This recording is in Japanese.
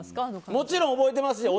もちろん覚えてますよ。